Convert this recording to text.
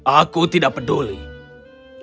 aku tidak peduli